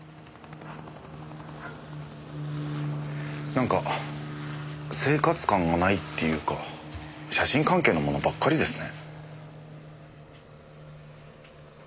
なんか生活感がないっていうか写真関係のものばっかりですね。